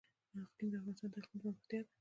اقلیم د افغانستان د اقلیم ځانګړتیا ده.